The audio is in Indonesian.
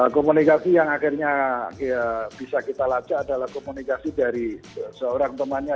komunikasi yang akhirnya bisa kita lajak adalah komunikasi dari seorang temannya